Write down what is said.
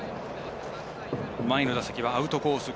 前の打席はアウトコース